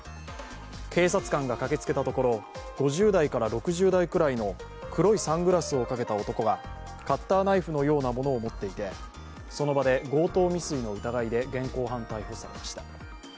警察官が駆けつけたところ、５０代から６０代くらいの黒いサングラスをかけた男がカッターナイフのようなものを持っていてその場で強盗未遂の疑いで現行犯逮捕されました。